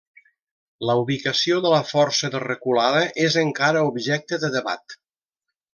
La ubicació de la força de reculada és encara objecte de debat.